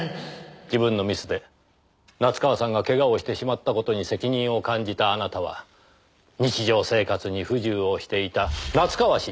自分のミスで夏河さんが怪我をしてしまった事に責任を感じたあなたは日常生活に不自由をしていた夏河氏に代わり。